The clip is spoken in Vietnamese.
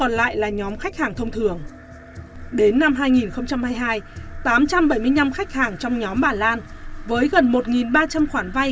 còn lại là nhóm khách hàng thông thường đến năm hai nghìn hai mươi hai tám trăm bảy mươi năm khách hàng trong nhóm bà lan với gần một ba trăm linh khoản vay